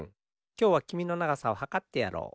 きょうはきみのながさをはかってやろう。